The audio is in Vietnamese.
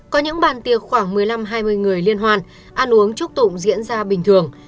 có những bàn tiệc khoảng một mươi năm hai mươi người liên hoan ăn uống chúc tụng diễn ra bình thường